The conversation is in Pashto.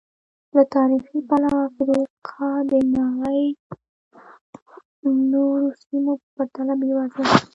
له تاریخي پلوه افریقا د نړۍ نورو سیمو په پرتله بېوزله ده.